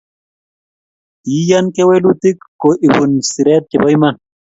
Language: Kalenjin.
Keiyan kewelutik ko ibun siret chebo iman